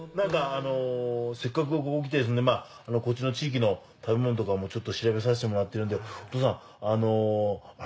せっかくここ来てこっちの地域の食べ物とかも調べさせてもらってるんでお父さん。